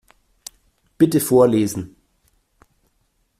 Bitte vorlesen.